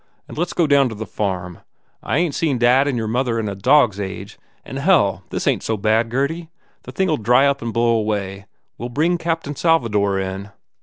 And let s go down to the farm. I ain t seen dad and your mother in a dog s age. And hell, th s ain t so bad, Gurdy. The thing ll dry up and blow away. We ll bring Captain Salvador in.